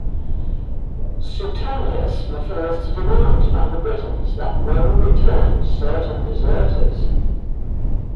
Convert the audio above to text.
Suetonius refers to demands by the Britons that Rome return "certain deserters".